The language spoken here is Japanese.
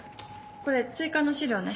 これ追加の資料ね。